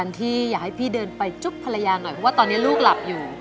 นี่เดินไปจุ๊บภรรยาหน่อยเพราะว่าตอนนี้ลูกหลับอยู่